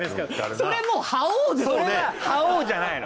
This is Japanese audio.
それは覇王じゃないの。